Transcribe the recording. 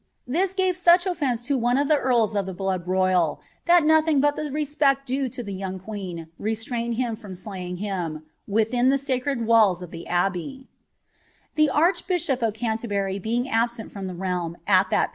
This gave such ofience to one of the earls of the jral,^ that nothing but the respect due to the young queen re turn from slaying him, within the sacred walls of the abbey, rchbishop of Canterbury being absent from the realm at that *• FoDders, vol.